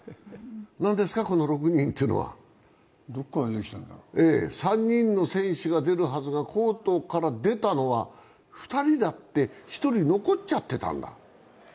なんですか、この６人というのは？３人の選手が出るはずがコートから出たのは２人で１人残っちゃってたんだ。